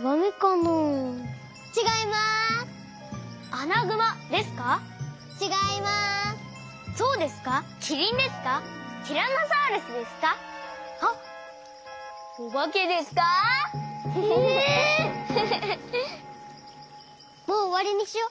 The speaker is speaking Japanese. もうおわりにしよう。